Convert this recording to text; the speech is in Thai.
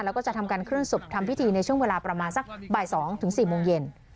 แล้วก็จะทำการเคลื่อศพทำพิธีในช่วงเวลาประมาณสักบ่าย๒๔โมงเย็น